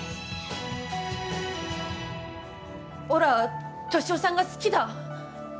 おら、俊夫さんが好きだ。